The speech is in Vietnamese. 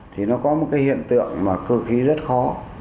thì nó có một cái hiện tượng mà cơ khí rất khó